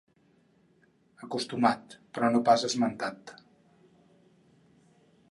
Acostumat, però no pas esmentat.